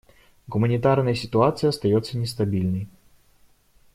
Гуманитарная ситуация остается нестабильной.